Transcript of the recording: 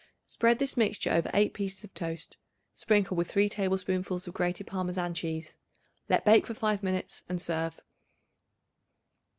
Spread this mixture over 8 pieces of toast; sprinkle with 3 tablespoonfuls of grated Parmesan cheese. Let bake for five minutes and serve.